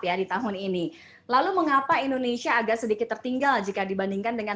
ya di tahun ini lalu mengapa indonesia agak sedikit tertinggal jika dibandingkan dengan